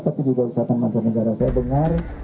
tapi juga wisatawan macan negara